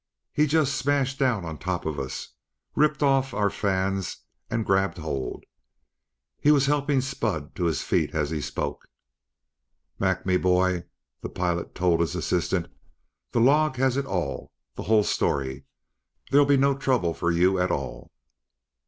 He just smashed down on top of us, ripped off our fans and grabbed hold." He was helping Spud to his feet as he spoke. "Mac, me bhoy," the pilot told his assistant, "the log has it all, the whole story. There'll be no trouble for you at all."